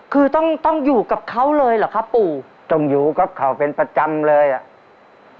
คือต้องต้องอยู่กับเขาเลยเหรอครับปู่ต้องอยู่กับเขาเป็นประจำเลยอ่ะ